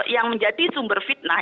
yang menjadi sumber fitnah